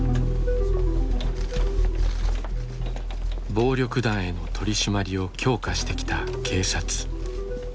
暴力団への取り締まりを強化してきた警察。